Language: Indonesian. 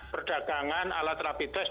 perdagangan alat rapid test